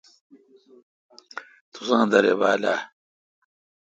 تی سہ درے باریل آ؟